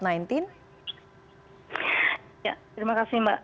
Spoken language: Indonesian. ya terima kasih mbak